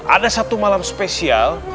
ada satu malam spesial